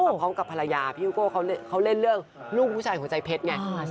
พร้อมกับภรรยาพี่ฮิวโก้เขาเล่นเรื่องลูกผู้ชายหัวใจเพชรไง